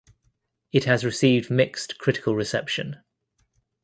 It has received mixed critical reception.